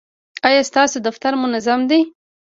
ایا ستاسو دفتر منظم دی؟